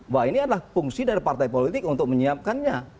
bahwa ini adalah fungsi dari partai politik untuk menyiapkannya